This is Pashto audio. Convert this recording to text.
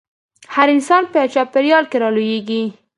هر انسان په يوه چاپېريال کې رالويېږي.